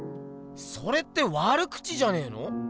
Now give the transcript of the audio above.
それって悪口じゃねえの？